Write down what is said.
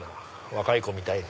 若い子みたいに。